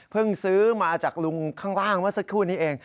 ซื้อมาจากลุงข้างล่างเมื่อสักครู่นี้เอง